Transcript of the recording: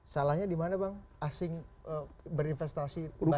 salahnya di mana bang asing berinvestasi